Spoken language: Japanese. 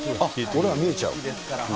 これは見えちゃう。